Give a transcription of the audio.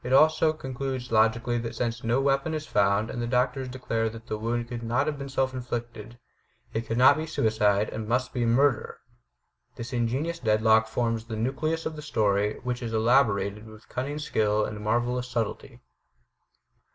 It also concludes logically that since no weapon is found and the doctors declare that the wound could not have been self inflicted, it could not be suicide and must be murder! This ingenious deadlock forms the nucleus of the story which is elaborated with cunning skill and marvelous subtlety.